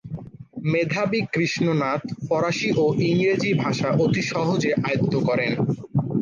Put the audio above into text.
মেধাবী কৃষ্ণনাথ ফরাসী ও ইংরাজী ভাষা অতি সহজেই আয়ত্ত করেন।